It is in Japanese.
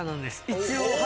一応。